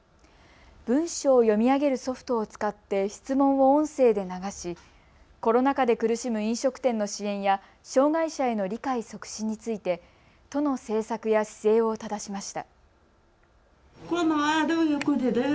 文章を読み上げるソフトを使って質問を音声で流しコロナ禍で苦しむ飲食店の支援や障害者への理解促進について都の政策や姿勢をただしました。